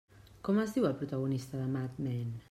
Com es diu el protagonista de Mad Men?